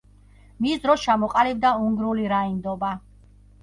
მის დროს ჩამოყალიბდა უნგრული რაინდობა.